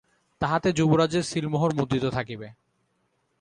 তাহাতে যুবরাজের সীলমোহর মুদ্রিত থাকিবে।